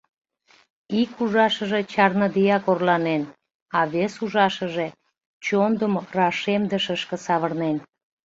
Ик ужашыже чарныдеак орланен, а вес ужашыже чондымо рашемдышышке савырнен.